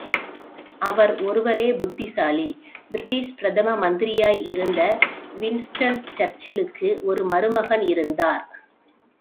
அவர் ஒருவரே புத்திசாலி பிரிட்டிஷ் பிரதம மந்திரியாயிருந்த வின்ஸ்டன் சர்ச்சிலுக்கு ஒரு மருமகன் இருந்தார்.